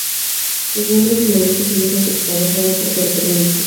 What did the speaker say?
Los nombres en negritas indican que el jugador formó parte del cuadro inicial.